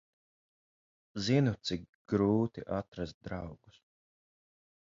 Zinu, cik grūti atrast draugus.